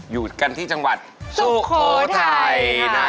อยู่กันที่จังหวัดสุโขทัยนะ